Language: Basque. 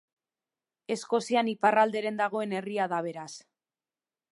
Eskozian iparralderen dagoen herria da beraz.